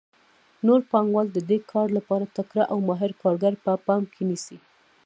نو پانګوال د دې کار لپاره تکړه او ماهر کارګر په پام کې نیسي